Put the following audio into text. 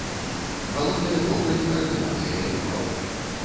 Валодае добрай каардынацыяй рухаў.